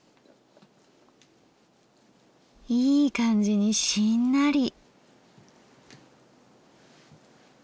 いい感じにしんなり。